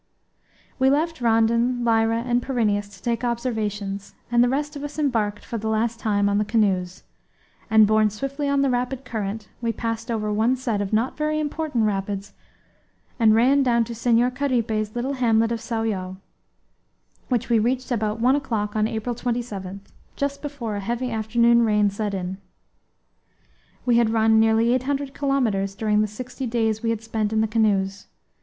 We left Rondon, Lyra, and Pyrineus to take observations, and the rest of us embarked for the last time on the canoes, and, borne swiftly on the rapid current, we passed over one set of not very important rapids and ran down to Senhor Caripe's little hamlet of Sao Joao, which we reached about one o'clock on April 27, just before a heavy afternoon rain set in. We had run nearly eight hundred kilometres during the sixty days we had spent in the canoes.